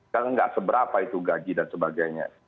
kan nggak seberapa itu gaji dan sebagainya